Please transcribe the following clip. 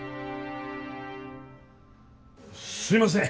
すいません。